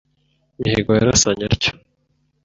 Mihigo yarasanye atyo